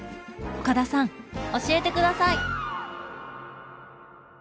岡田さん教えて下さい！